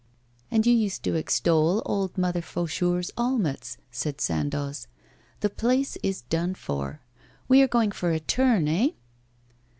'And you who used to extol old Mother Faucheur's omelettes!' said Sandoz. 'The place is done for. We are going for a turn, eh?